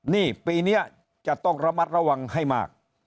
นี่ปีนี้จะต้องระมัดระวังให้มาก